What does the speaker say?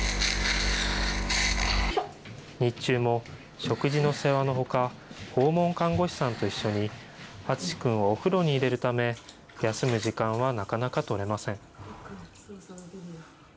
日中も食事の世話のほか、訪問看護師さんと一緒にあつし君をお風呂に入れるため、休む時間はなかなかとれません。